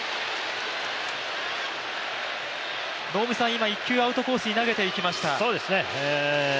今、１球、アウトコースに投げていきました。